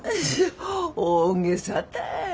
大げさたい。